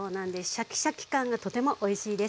シャキシャキ感がとてもおいしいです。